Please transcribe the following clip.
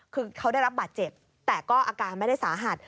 คือเขาได้รับบาดเจ็บแต่ก็อาการไม่ได้สาหัส